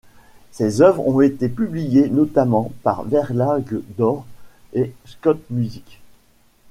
Ses œuvres ont été publiées notamment par Verlag Dohr et Schott Music.